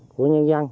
của nhân dân